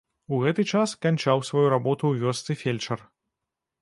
У гэты час канчаў сваю работу ў вёсцы фельчар.